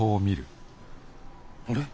あれ？